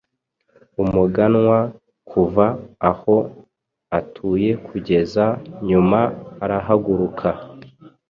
Umuganwa kuva aho atuyekugeza nyuma arahaguruka